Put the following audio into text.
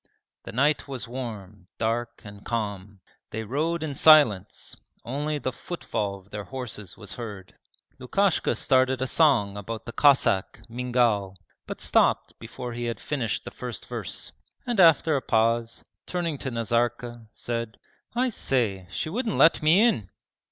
The night was warm, dark, and calm. They rode in silence, only the footfall of their horses was heard. Lukashka started a song about the Cossack, Mingal, but stopped before he had finished the first verse, and after a pause, turning to Nazarka, said: 'I say, she wouldn't let me in!'